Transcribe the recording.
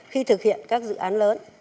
khi thực hiện các dự án lớn